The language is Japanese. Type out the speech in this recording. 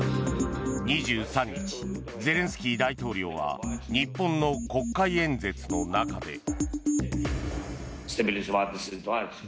２３日、ゼレンスキー大統領は日本の国会演説の中で。